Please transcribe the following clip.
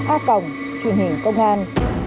a còng truyền hình công an